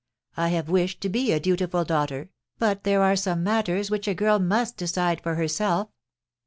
I have wished to be a dutiful daughter, but there are some matters which a girl must decide for herself.